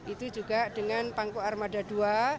itu juga dengan pangku armada ii